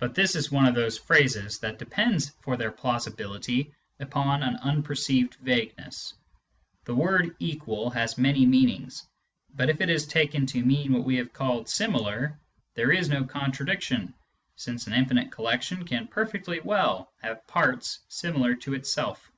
But this is one of those phrases that depend for their plausibility upon an unperceived Vagueness : the word " equal " has many meanings, but if it is taken to mean what we have called " similar," there is no contra diction, since an infinite collection can perfectly well have parts similar to itself.